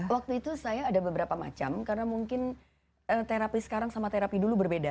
waktu itu saya ada beberapa macam karena mungkin terapi sekarang sama terapi dulu berbeda